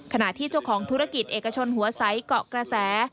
ขณะที่เจ้าของธุรกิจเอกชนหัวใสเกาะกระแส